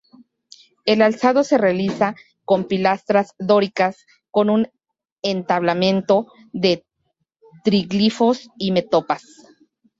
El alzado se realiza con pilastras dóricas con un entablamento de triglifos y metopas.